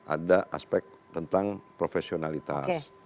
ada aspek tentang profesionalitas